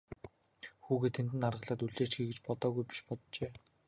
Хүүгээ тэнд нь аргалаад үлдээчихье гэж бодоогүй биш боджээ.